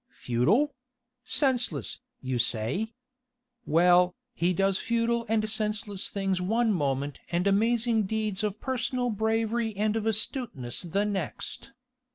Futile? Senseless, you say? Well, he does futile and senseless things one moment and amazing deeds of personal bravery and of astuteness the next.